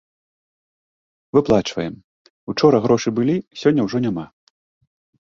Выплачваем, учора грошы былі, сёння ўжо няма.